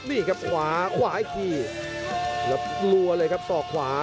นี่ครับขวาขวาอีกทีแล้วกลัวเลยครับศอกขวา